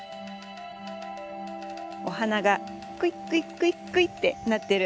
お花がクイクイクイクイッてなってる